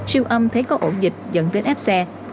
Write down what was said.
siêu âm thấy có ổ dịch dẫn đến ép xe